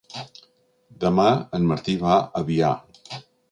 Demà en Martí va a Biar.